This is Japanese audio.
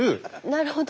なるほど。